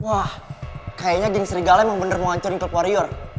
wah kayaknya ging serigala emang bener mau hancurin ke warrior